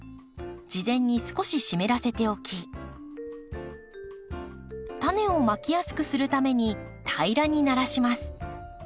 事前に少し湿らせておきタネをまきやすくするために平らにならします。